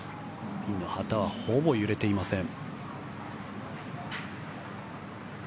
ピンの旗はほぼ揺れていません。